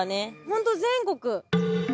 ホント全国